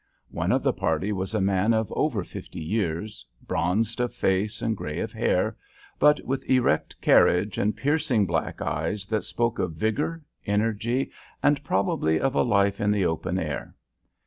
One of the party was a man of over fifty years, bronzed of face and gray of hair, but with erect carriage and piercing black eyes that spoke of vigor, energy, and probably of a life in the open air.